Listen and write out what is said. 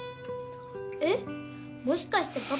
えっもしかしてパパ泣いてる？